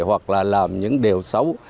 hoặc là làm những điều xấu